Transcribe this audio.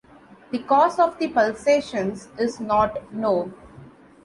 The cause of the pulsations is not known.